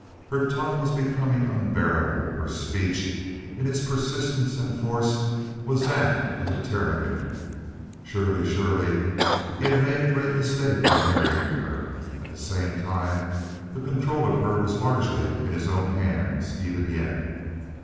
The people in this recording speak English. Her tongue was becoming unbearable; her speech in its persistence and force was that of a termagant. Surely, surely, he had made a great mistake in marrying her. At the same time the control of her was largely in his own hands even yet.